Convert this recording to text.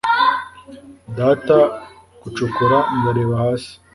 Data gucukura Ndareba hasi